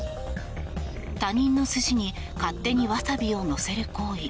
他人の寿司に勝手にわさびをのせる行為。